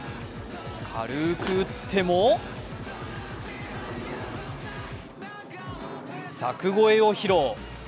軽く打っても柵越えを披露。